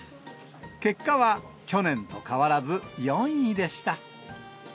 結果は去年と変わらず４位でした。